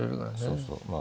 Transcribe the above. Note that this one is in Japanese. そうそうまあ。